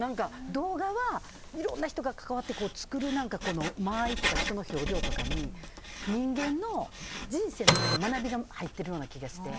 動画はいろんな人が関わって作る間合いとか人の表情とかに人間の人生の学びが入ってるような気がして。